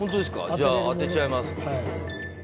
じゃあ当てちゃいます。